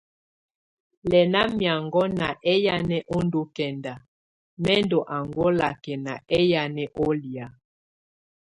Lɛna miaŋgɔ̀á ná ɛyanɛ ɔ́ ndù kɛnda, mɛ̀ ndɔ̀ angɔ̀á lakɛna ɛyanɛ ù lɛ̀á.